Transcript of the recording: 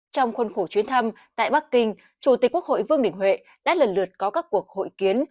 trong khuôn khổ chuyến thăm tại bắc kinh chủ tịch quốc hội vương đình huệ đã lần lượt có các cuộc hội kiến